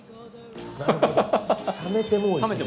なるほど冷めても美味しい。